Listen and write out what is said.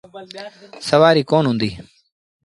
سُوآريٚ ڪونا هُݩديٚ۔